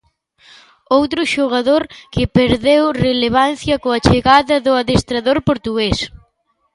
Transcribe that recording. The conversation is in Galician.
Outro xogador que perdeu relevancia coa chegada do adestrador portugués.